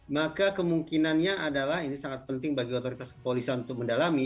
maka kemungkinannya adalah ini sangat penting bagi otoritas kepolisian untuk mendalami